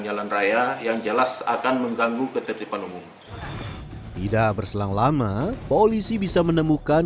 jalan raya yang jelas akan mengganggu ketertiban umum tidak berselang lama polisi bisa menemukan